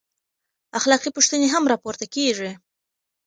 اخلاقي پوښتنې هم راپورته کېږي.